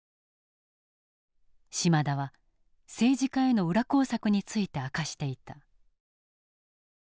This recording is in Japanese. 島田は政治家への裏工作について明かしていた。